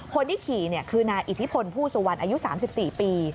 คนที่ขี่คือนายอิทธิพลผู้สุวรรณอายุ๓๔ปี